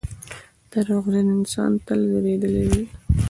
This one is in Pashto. • دروغجن انسان تل وېرېدلی وي.